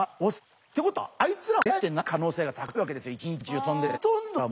ってことはあいつらもさメスに出会えてない可能性が高いわけですよ一日中飛んでて。